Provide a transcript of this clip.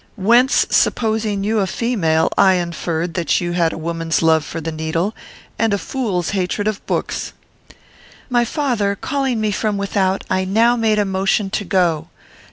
Whence, supposing you a female, I inferred that you had a woman's love for the needle and a fool's hatred of books.' "My father calling me from without, I now made a motion to go.